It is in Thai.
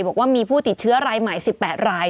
บอกว่ามีผู้ติดเชื้อรายใหม่๑๘ราย